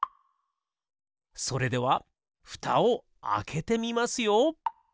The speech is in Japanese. それではふたをあけてみますよ！